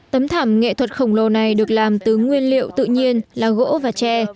tấm thảm nghệ thuật khổng lồ này được làm từ nguyên liệu tự nhiên là gỗ và tre